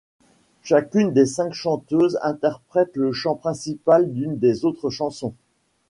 Chacune des cinq chanteuses interprète le chant principal d'une des autres chansons.